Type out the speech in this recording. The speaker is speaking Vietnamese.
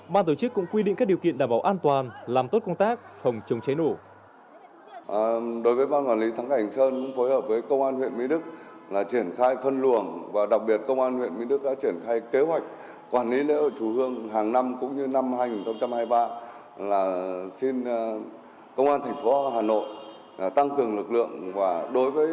ban tổ chức cũng quy định các điều kiện đảm bảo an toàn làm tốt công tác phòng chống cháy nổ